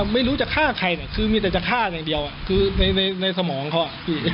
ไม่รู้จะฆ่าใครคือมีแต่จะฆ่าอย่างเดียวคือในสมองเขา